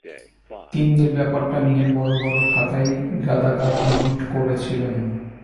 তিন্নির ব্যাপারটা নিয়ে বড়-বড় খাতায় গাদাগাদ নোট করেছিলেন।